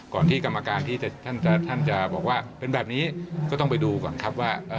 ที่กรรมการที่ท่านจะบอกว่าเป็นแบบนี้ก็ต้องไปดูก่อนครับว่า